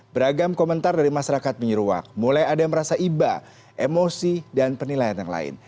beragam komentar dari masyarakat menyeruak mulai ada yang merasa iba emosi dan penilaian yang lain